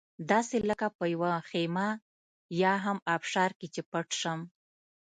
داسې لکه په یوه خېمه یا هم ابشار کې چې پټ شم.